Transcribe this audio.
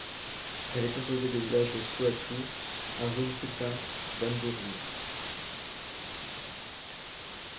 Elle est composée des villages Suatu, Aruncuta, Dâmburile.